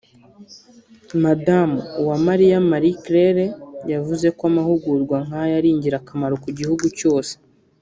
Madamu Uwamariya Marie-Claire yavuze ko amahugurwa nk’aya ari ingirakamaro ku gihugu cyose